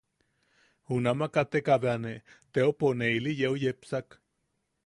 Junama kateka bea ne teopou ne ili yeu yepsan.